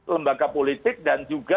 lembaga politik dan juga